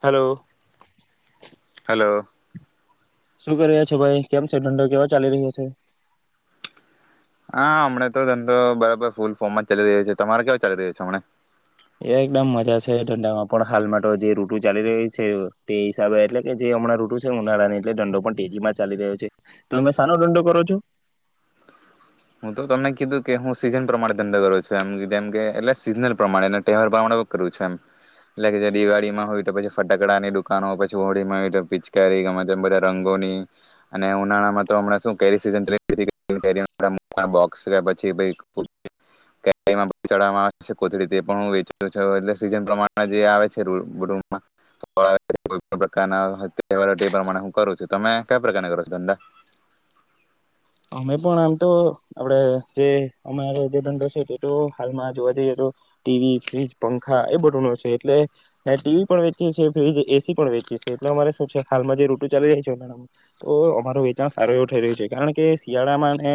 Hello. Hello. શું કર્યા છો ભાઈ કેમ છે ઢંડો કેવા ચાલી રહ્યો છે. હા હમણાં તો ધંધો બરાબર ફૂલ ફોર્મમાં ચાલી રહ્યો છે તમારે કેવા ચાલી રહ્યો છે હમને. એ એકદમ મજા છે દંડામાં પણ હાલમાં તો જે રૂટુ ચાલી રહી છે તે હિસાબે એટલે કે જે હમણાં રૂટુ છે ઉનાળા ને એટલે દંડો પણ તેરીમાં ચાલી રહ્યો છે તો તમે સાનો ધંધો કરો છો. હું તો તમને કીધું કે હું સીઝન પ્રમાણે ધંધો કરું છું એમ જેમ કે એટલે સીઝનલ પ્રમાણે તહેવાર પ્રમા કરું છે એમ એટલે કે જે દિવાળીમાં હોય તો પછી ફટાકડાની દુકાનો પછી હોળીમાં હોય પિચકારી ગમે બધા રંગોની અને ઉનાળામાં તોમ શ સ સ પછી આવેથી છ સ પ્રમા જે છેમા હું કરું છું તમે કયા પ્રકાર કરો છો ધંધા. અમે પણ આમ તો આપડે જે અમારે જે ધંધો છે તે તો હાલમાં જોવા જઈએ તો ટીવી ફ્રીજ પંખા એ બધું ન છે એટલે ટીવી પણ વેચીએ છીએ ફ્રીજ એસી પણ વેચીએ છીએ એટલે અમારે શું છે હાલમાં જે રઋટુ ચાલી જાય છે તો અમાર વેચાણ સારો એવું થઈ રહ્યું છે કારણ કે શિયાળામાં ને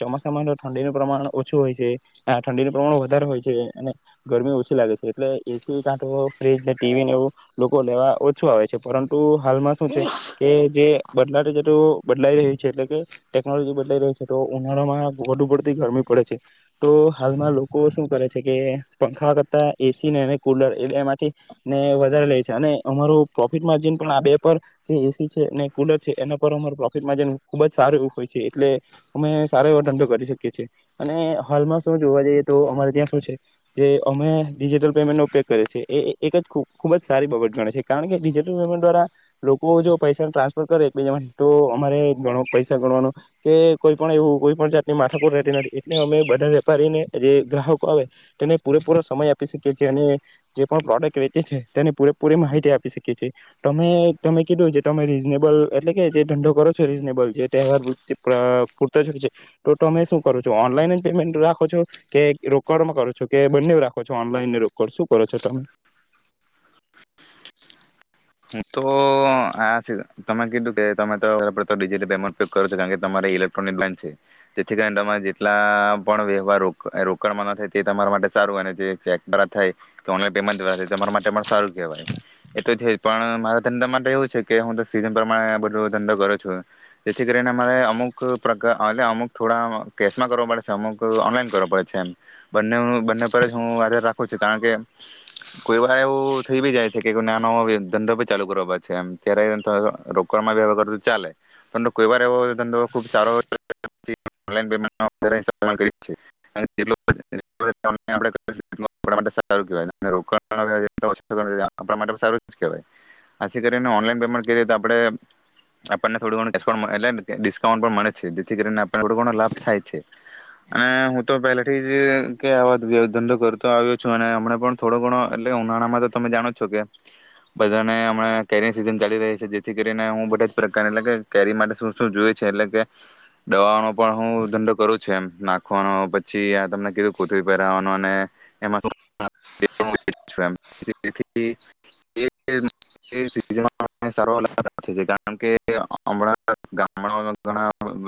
ચોમાસામાં ઠંડીનું પ્રમાણ ઓછું હોય છે ઠંડીનું પ્રમાણ વધારે હોય છે અને ગરમી ઓછી લાગે છે એટલે એસી કાંઠો ફ્રીજ ને ટીવીને એવું લોકો લેવા ઓછું આવે છે પરંતુ હાલમાં શું છે કે જે બદલાટે છેટું બદલાઈ રહ્યું છે એટલે કે ટેકનોલોજી બદલાઈ રહી છે તો ઉનાળામાં વધુ પડતી ગરમી પડે છે તો હાલમાં લોકો શું કરે છે કે પંખા કરતાં એસી ને કૂલર એ એમાંથી ને વધારે લે છે અને અમારું પ્રોફિટ માર્જિન પણ આ બે પર જે એસી છે અને કૂલર છે એના પર અમારું પ્રોફિટ માર્જિન ખૂબ જ સારું હોય છે એટલે અમે સારો એવો ધંધો કરી શકીએ છીએ અને હાલમાં શું જોવા જઈએ તો અમારે ત્યાં શું છે જે અમે ડિજિટલ પેમેન્ટનો ઉપયોગ કરીએ છે એ એક જ ખૂબ જ સારી બાબત ગણે છે કારણ કે ડિજિટલ પેમેન્ટ દ્વારા લોકો જો પૈસા ટ્રાન્સફર કરે એકબીજામાં તો અમારે ઘણો પૈસા ગણવાનો કે કોઈ પણ એવું કોઈ પણ જાતની માથાકો રહેતી નથી એટલે અમે બધા વેપારીને જે ગ્રાહકો આવે તેને પૂરેપૂરો સમય આપી શકીએ છીએ અને જે પણ પ્રોડક્ટ વેચે છે તેને પૂરેપૂરી માહિતી આપી શકીએ છીએ તમે તમે કીધું જે તમે રીઝનેબલ એટલે કે જે ધંંધો કરો છો રીઝનેબલ જે તહેવાર પૂરત છે તો તમે શું કરો છો ઓનલાઈન પેમેન્ટ રાખો છો કે રોકડમાં કરો છો કે બંને રાખો છો ઓનલાઈન ને રોકડ શું કરો છો તમે? હું તો આ તમે કીધું કે તમે તો ડિજિલ પેન્ટ કરો કારણ કે તમારેઇ જેથી કરી તમા જેટલા પણ વ્યવહાર રોકાણ ના થાય તે તમારા માટે સારું જે ચેક થાય કે ઓનલાન પેમેન્ટાય તમા માટે પણ સારું કહેવાય એ તો. પણ મારા ધંધા માટે એવું છે કે હું તો સીઝન પ્રમાણે આ બધો ધંધો કરું છું જેથી કરીને મારે અમુક પ્રકાર એટલે અમુક થોડા કેશમાં કરવા પડે છે અમુક ઓનલાઈન કરવો પડે છે એમ બંને બંને પર જ હું યાધ રાખું છું કારણ કે કોઈ વા એવું થઈ બી જાય છે કે કો ના ન ધંધો પણ ચાલુ કરવા પ છે એમ ત્યારે રોકણમાં બી હ કરું ચાલે પર કોઈ વાર એવો ધંધો ખૂબ સારો માટે સારું- થી કરીને ઓનલાઈન પેમેન્ટ કરીએ તો આપે આપણને થોડું એ ડિસ્કાઉન્ટ પણ મળે છે જેથી કરીને આપ થોડો ઘણો લાભ થાય છે અને હું તો પેલાથી જ આ ધંધો કરતો આવ્યો છું અનેમને પણ થોડો ઘણો એટલે ઉનાળામાં તો તમે જાણો છો કે બધાને હમણા કેરી સિઝન ચાલી રહી છે જેથી કરીને હું બધા જ પ્રકારની એટલે કે કેરી માટે શું શું જોય છે એટલે કે દવાનો પણ હું ધંધો કરું છું એ નાખવાનો પછી આ તમને કીધું કોથી પહેરાવાનો અને એમાં શ કારણ કેામ ઘણા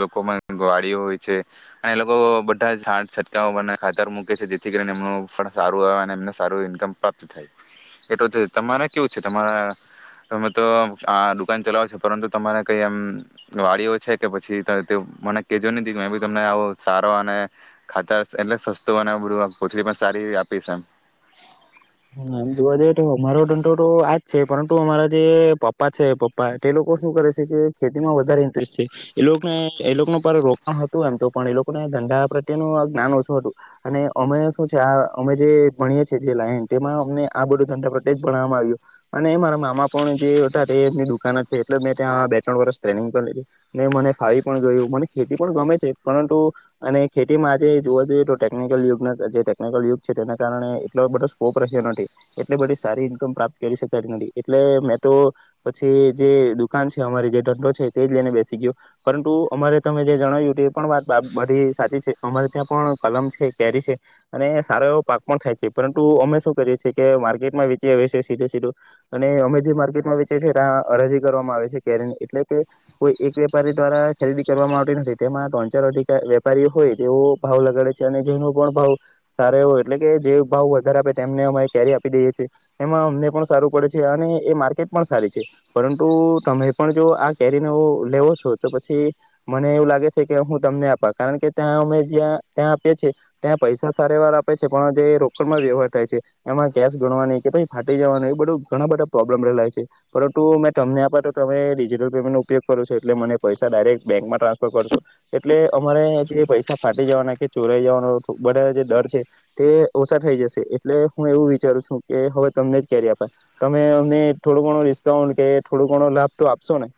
લોકો ગડીઓ હોય છે અને એ લોકો બધા છટકાઓ બને ખાતર મૂકે છે જેથી કરીને એમનું ફળ સારું આવે. સું ઇન્મ પ્રાપ્ત થાય એટલું તમારે કેવું છે તમારા તમે તો આ દુકાન ચલાવો છો પરંતુ તમારે કઈ એમ વાડીઓ છે કે પછી મને કેજો ન મે બી તમને આવ સારો અને ખાતા એટલે સસ્તું અને બધું પોથરી પણ સારી આપીશ એમ. એમ જોવા જઈએ તો અમારો દંડો તો આજ છે પરંતુ અમારા જે પપ્પા છે પપ્પા તે લોકો શું કરે છે કે ખેતીમાં વધારે ઇન્ટરેસ્ટ છે એ લોકોને એ લોકોનું પર રોકાણ હતું એમ તો પણ એ લોકોને ધંધડા પ્રત્યેનું આ જ્ઞાન ઓછું હતું અને અમે શું છે આ અમે જે ભણીએ છીએ જે લાઈન તેમાં અમને આ બધું ધંધા પ્રત્યે જ ભણવામાં આવ્યું અને મારા મામા પણ જેારે એમની દુકાાન જ છે એટલે મેં ત્યાં બે ત્રણ વરષ ટ્રેનિંગ પણ લીધી ને મને ફાળી પણ ગયું મને ખેતી પણ ગમે છે પરંતુ અને ખેતીમાં આજે જોવા જઈએ તો ટેકનિકલ યુગ જે ટેકનિકલ યુગ છે તેના કારણે એટલો બધ નથી એટલે બધી સારી ઈન્કમ પ્રાપ્ત કરી શકાય નથી એટલે મેં તો પછી જે દુકાન છે અમારી જે ધંડો છે તે જ લઈને બેસી ગયો પરંતુ અમારે તમે જે જણાવ્યું એ પણ વાત બધી સાચી છે અમારે ત્યાં પણ કલમ છે કેરી છે અને સારો એવો પાક પણ થાય છે. અમે શું કરીએ છી કે માર્કેટમાં વેચી છે સીધો સીધું અને અમે જે માર્કેટમાં વેચી છીએ ત્યાં અ રજી કરવામાં આવે છે કેરીન એટલે કે કોઈ એક વેપારી દ્વારા ખરીદી કરવામાં આવતી નથી તેમાં ત્રણ ચાર અધિક વેપારીઓ હોય તેવો ભાવ લગાડે છે અને જેનો પણ ભાવ સારા એ હો એટલે કે જે ભાવ ને અ કેરી આપી દઈએ છીએ એમાં અમને પણ સારું પડે છે અને એ માર્કેટ પણ સારી છે પરંતુ તમે પણ જો આ કેરીનો લેવો છો તો પછી મને એવું લાગે છે કે હું તમને આપ કારણ કે ત્યાં અમે જ્યાં ત્યાં આપીએ છે ત્યાં પૈસા સારા વાર આપે છે પણ જે રોકડ વ્યવહાર થાય છે એમાં ગેસ ગણવાની કે પછ ફાટી જવાનું એ બધું ઘણા બધા પ્રોબ્લેમ રહેલાય છે પરંતુ મેં તમને આપ તો તમે ડિજિટલ પેમેન્ટનો ઉપયોગ કરો છો એટલે મને પૈસા ડાયરેક્ટ બેંકમાં ટ્રાન્સફર કરશો એટલે અમારે જે પૈસા ફાટી જવાના કે ચોરાઈ જવાનો બધા જે ડર છે તે થઈ જશે એટલે હું એવું વિચારું છું કે હવે તમને જ કેરી આપાય તમે અમને થોડો ઘણો ડિસ્કાઉન્ટ કે થોડો ઘણો લાભ તો આપશો ને.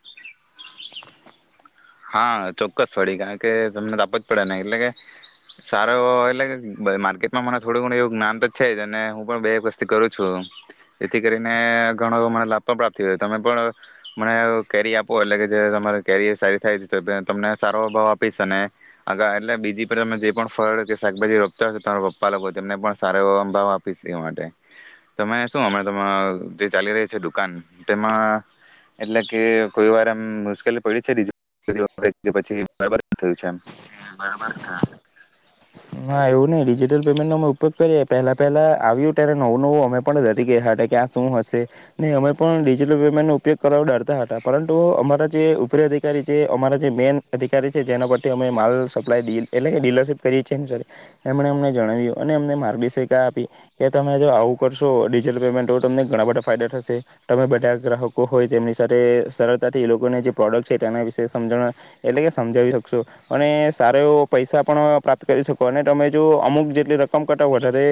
હા ચોક્કસ વડીી કારણ કે તમને તાપ જ પડે નહી એટલે કે સારો એટલે કે માર્કેટમાં મને થોડું ઘણું એવું જ્ઞાન તો છે જ અને હું પણ બે એક વસ્થી કરું છું જેથી કરીને ઘણો મને લાભ પણ પ્રાપ્ત તમે પણ મને કેરી આપો એટલે કે જે તમારી કેરી સારી થ તમને સારો ભાવ આપીશ અને આગા એટલે બીજી પર તમે જે પણ ફળ કે શાકભાજી રોપતા હ તમારા પપ્પા લોકો તેમને પણ સારો એ ભાવ આપીશ એ માટે તમે શું હમણા જે ચાલી રહી છે દુકાન તેમાં એટલે કે કોઈ વાર એમ મુશ્કેલી પડી છે બ પછી બરાબર થયું છે એમ. હા એવું નહ ડિજિટલ પેમેન્ટ નો અમે ઉપયોગ કરીએ પહેલા પહેલા આવ્યું ત્યારે નવું નવું અમે પણ ડરી ગયા હતા કે આ શું હશે ન અમે પણ ડિજટલ પેમેન્ટ નો ઉપયોગ કરવા ડરતા હતા પરંતુ અમારા જે ઉપરી અધિકારી છે અમારા જે મેન અધિકારી છે જેના પરથી અમે માલ સપ્લાય ડીલ એટલે કે ડીલરશીપ કરીએ છીએ એમ સાથે એમણે અમને જણાવ્યું અને અમને માર્ગદર્શિકા આપી કે તમે જો આવું કરશો ડિજલ પેમેન્ટ હોય તો તમને ઘણા બધા ફાયદા થશે તમે બધા ગ્રાહકો હોય તેમની સાથે સરળતાથી એ લોકોને જે પ્રોડક્ટ છે તેના વિશે સમજણવા એટલે કે સમજાવી શકશો અને સારો એવો પૈસા પણ પ્રાપ્ત કરી શકો અને તમે જો અમુક જેટલી રકમ કટાવો વધારે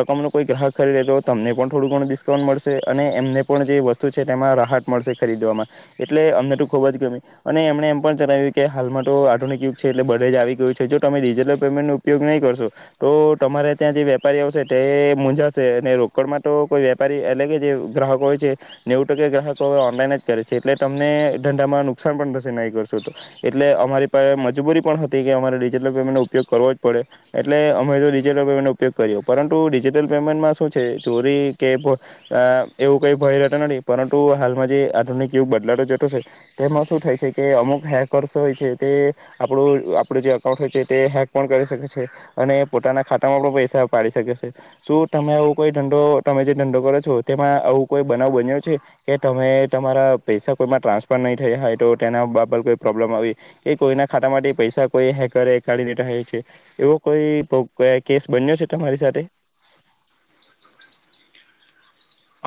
રકમનો કોઈ ગ્રાહક ખરીદે તો તમને પણ થોડું ઘણું ડિસ્કાઉન્ટ મળશે અને એમને પણ જે વસ્તુ છે તેમાં રાહત મળશે ખરીદવામાં એટલે અમને તો ખૂબ જ ગમી અને એમણે એમ પણ જણાવ્યું કે હાલમાં તો આધુનિક યુગ છે એટલે બ આવી ગયું છે જો તમે ડિજિટલ પેમેન્ટ ન ઉપયોગ નહીં કરશો તો તમારે ત્યાં જે વેપારી આવશે તે મુંઝાશે અને રોકડમાં તો કોઈ વેપારી એટલે કે જે ગ્રાહકો હોય છે નેવું ટકા ગ્રાહકો ઓનલાઈન જ કરે છે એટલે તમને ધંધામાં નુકસાન પણ થશે નહી કરશો તો એટલે અમારી પાસે મજબૂરી પણ કે અમારે ડિજિટલ પેમેન્ટનો ઉપયોગ કરવો જ પડે એટલે અમે તો ડિજિટલ પેમેન્ટનો ઉપયોગ કરીએ પરંતુ ડિજિટલ પેમેન્ટમાં શું છે ચોરી કે એવું કંઈ ભય રહેતો નથી પરંતુ હાલમાં જે આધુનિક યુગ બદલાડો જતો છે તેમાં શું થાય છે કે અમુક હેકર્સ હોય છે તે આપણું આપણું જે અકાઉન્ટ હોય છે તે હેક પણ કરી શકે છે અને પોતાના ખાતામાં પણ પૈસા પાડી શકે છે શું તમે આવો કોઈ ધંધો તમે જે ધંધો કરો છો તેમાં આવું કોઈ બનાવ બન્યો છે કે તમે તમારા પૈસા કોઈમાં ટ્રાન્સફર નહીં થયા હોય તો તેના બાબર કોઈ પ્રોબ્લમ આવી કે કોઈના ખાતા માટે પૈસા કો હેક કાઢીને છે એવો કોઈ કેસ બન્યો છે તમારી સાથે.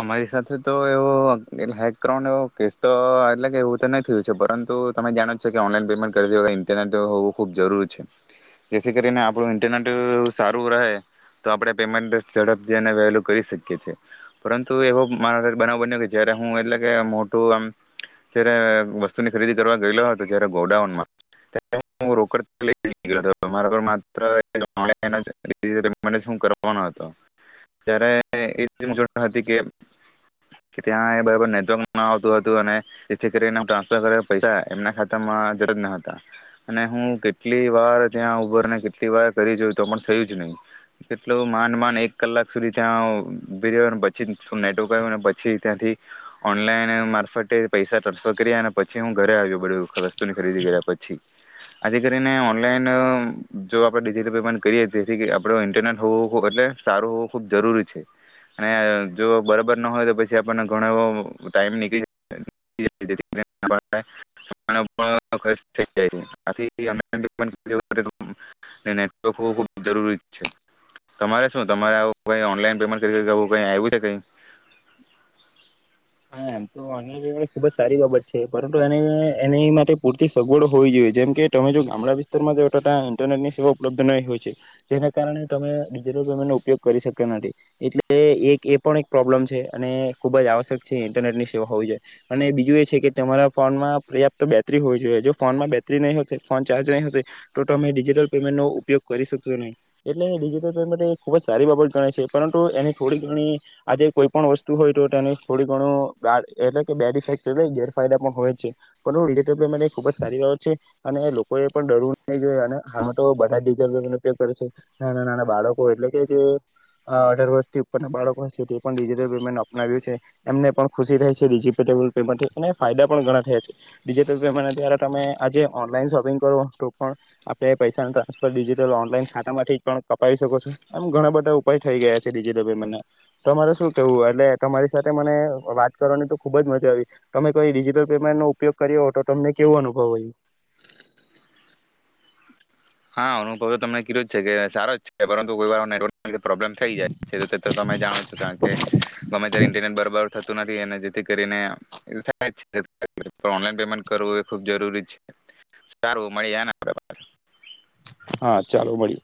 અમારી સાથે તો એવો હેક કરો એવો કેસ તો એટલે કે એવું તો નહી થયું છે પરંતુ તમે જાણો છો કે ઓનલાઈન પેમેન્ટ કરતી હોખ ઇન્ટરનેટ હોવું ખુબ જરૂરી છે જેથી કરીને આપણું ઇન્ટરનેટ સારું રહે તો આપણે પેમેન્ટ ઝડપથીને વેલુ કરી શકીએ છે. એવો મારા ઘ બનાવ બન્યો કે જયારે હું એટલે કે મોટું આમ જારે વસ્તુની ખરીદી કરવા ગયેલો હતો ગોડાઉન હ રોકડ હતો. ત્યાં એ બરાબર નેટવર્ક આવતું હતું અને જેથી કરી એ ટ્રાન્સફર કરે પૈસા એમના ખાતામાં જર જ ન હતા અને હું કેટલી વાર ત્યાં ઉભરને કેટલી વાર કરી જોઉ તો પણ થયું જ નહી કેટલું માન માન એક કલાક સુધી ત્યાં પછી શ નેટવર્ક આવ પછી ત્યાંથી ઓનલાઈન મારફતે પૈસા ટ્રાન્સફર કર્યા અને પછી હું ઘરે આવ્યો બધ વસ્તુની ખરીદી કર્યા પછી આજે કરીને ઓનલાઈન જો આપણે ડિજિટલ પેમેન્ટ કરીએ તેથી આપડ ઇન્ટરનેટ હોવું એટલે સારું હોવું ખૂબ જરૂરી છે. અને જો બરાબર ન હોય તો પછી આપણને ઘણો એવો ટાઈમ નીકળી જ જથીમા પણ ખર્ચ થઈ જાય છે આથી નેટવર્ક હોવું ખૂબ જરૂરી છે તમારે શું તમારે આવું કઈ ઓનલાઈન પેમેન્ટ કરી કઈ આવ્યું છે કઈ હા એમ તો અ ખૂબ જ સારી બાબત છે પરંતુ એને એની માટે પૂરતી સગવડો હોવી જોઈએ જેમ કે તમે જો ગામડા વિસ્તારમાં જો ટા ઇન્ટરનેટની સેવા ઉપલબ્ધ નહીં હોય છે જેના કારણે તમે ડિજિટલ પેમેન્ટનો ઉપયોગ કરી શક્યા નથી એટલે એક એ પણ એક પ્રોબ્લમ છે અને ખૂબ જ આવશ્યક છે ઇન્ટરનેટ ની સેવા હોવી જોઈએ અને બીજું એ છે કે તમારા ફોનમાં પર્યાપ્ત બેટરી હોવી જોઈએ જો ફોનમાં બેટરી નહીં હશે ફોન ચાર્જ નહીં હશે તો તમે ડિજિટલ પેમેન્ટનો ઉપયોગ કરી શકશો નહીં એટલે ડિજિટલ પેમેન્ટ એ ખૂબ જ સારી બાબત ગણે છે પરંતુ એની થોડી ઘણી આજે કોઈ પણ વસ્તુ હોય તો તેની થોડી ઘણું એટલે કે બેડ ઇફેક્ટ એટલે ગેરફાયદા પણ હોય જ છે પણ ડિજટલ પેમેન્ટ એ ખુબ જ સારી બાબત છે અને લોકો એ પણ ડરવું નહી જોઈે અને આમે તો બધા ડિજટલ પમેન્ટ ઉપયોગ કરે છે નાના નાના બાળકો એટલે કે જે અઢાર વર્ષથી ઉપરના બાળકો તે પણ ડિજિટલ પેમેન્ટ અપનાવ્યું છે. એમને પણ ખુશી થાય છે ડિજિટેબલ પેમેન્ટથી અને ફાયદા પણ ઘણા થયા છે ડિજિટલ પેમેન્ટ દ્વારા તમે આજે ઓનલાઈન શોપિંગ કરો તો પણ આપણે પૈસાનું ટ્રાન્સફર ડિજિટલ ઓનલાઈન ખાતામાંથી જ પણ કપાવી શકો છો એમ ઘણા બધા ઉપાય થઈ ગયા છે ડિજિટલ પેમેન્ટના તમારે શું કેવું એટલે તમારી સાથે મને વાત કરવાની તો ખુબ જ મજા આવી તમે કોઈ ડિજિટલ પેમેન્ટ નો ઉપયોગ કર્યો હો તો તમને કેવો અનુભવ આવ હા અનુભવ તો તમને કીધ્યો છે કે સારો જ છે પરંતુ કોઈ વાર પ્રોબ્લેમ થઈ જાય છે તો તમે જાણો છો કારણ કે ગમે ત્યારે ઇન્ટરનેટ બરાબર. જેથી કરી એ જરૂરી છે સારું મળીને. હા ચાલો મળ્યું.